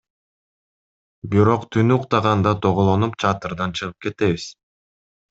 Бирок түнү уктаганда тоголонуп чатырдан чыгып кетебиз.